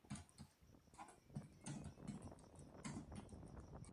Es la segunda hipótesis más popular, llamada el "sesgo del Salmón".